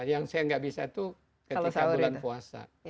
yang saya nggak bisa itu ketika bulan puasa